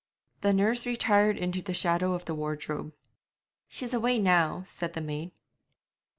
The nurse retired into the shadow of the wardrobe. 'She's away now,' said the maid.